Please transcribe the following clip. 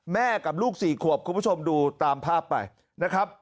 กับลูก๔ขวบคุณผู้ชมดูตามภาพไปนะครับ